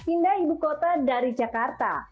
pindah ibu kota dari jakarta